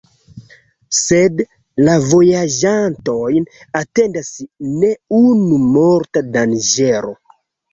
Sed la vojaĝantojn atendas ne unu morta danĝero.